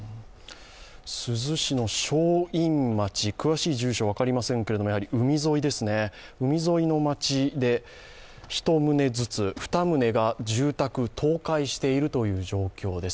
珠洲市の正院町、詳しい住所は分かりませんけれども、海沿いの町で１棟ずつ、２棟が住宅倒壊しているという状況です。